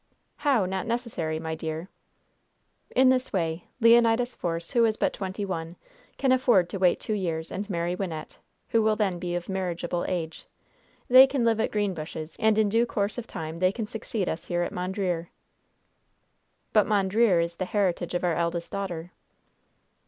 "How, not necessary, my dear?" "In this way: Leonidas Force, who is but twenty one, can afford to wait two years and marry Wynnette, who will then be of marriageable age. They can live at Greenbushes, and in due course of time they can succeed us here at Mondreer." "But Mondreer is the heritage of our eldest daughter."